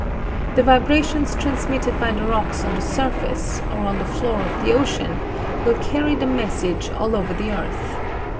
The vibrations transmitted by the rocks on the surface, or on the floor of the ocean, will carry the message all over the earth.